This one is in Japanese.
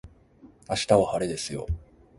明日は晴れですよ